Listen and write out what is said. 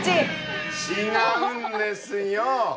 違うんですよ。